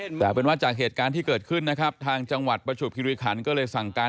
แต่เอาเป็นว่าจากเหตุการณ์ที่เกิดขึ้นนะครับทางจังหวัดประจวบคิริขันก็เลยสั่งการ